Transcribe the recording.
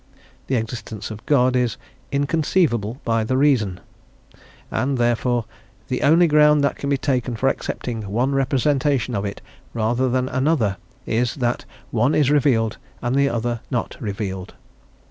The existence of God "is inconceivable by the reason," and, therefore, "the only ground that can be taken for accepting one representation of it rather than another is, that one is revealed and the other not revealed."